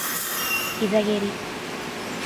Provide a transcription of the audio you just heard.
膝蹴り